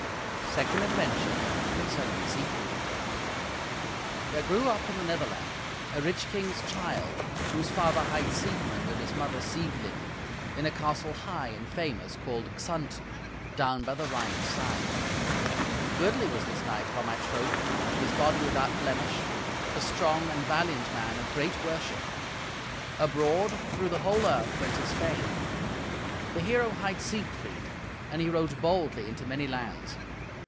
Second Adventure Concerning Siegfried There grew up in the Netherland a rich king's child, whose father hight Siegmund and his mother Sieglind, in a castle high and famous called Xanten, down by the Rhine's side. Goodly was this knight, by my troth, his body without blemish, a strong and valiant man of great worship; abroad, through the whole earth, went his fame. The hero hight Siegfried, and he rode boldly into many lands.